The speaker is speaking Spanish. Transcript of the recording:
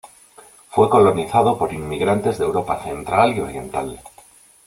Fue colonizado por inmigrantes de Europa central y oriental.